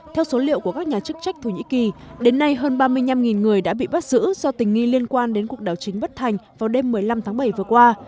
theo số liệu của các nhà chức trách thổ nhĩ kỳ đến nay hơn ba mươi năm người đã bị bắt giữ do tình nghi liên quan đến cuộc đảo chính bất thành vào đêm một mươi năm tháng bảy vừa qua